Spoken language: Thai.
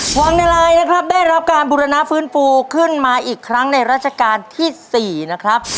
วังนาลายนะครับได้รับการบุรณาฟื้นฟูขึ้นมาอีกครั้งในราชการที่๔นะครับ